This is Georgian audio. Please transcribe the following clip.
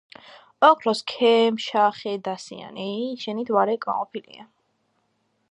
ორქოს ქემშახედასიანი იშენით ვარე კმაყოფილია